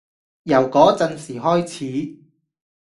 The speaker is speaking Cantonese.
由嗰陣時開始